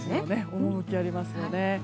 趣がありますよね。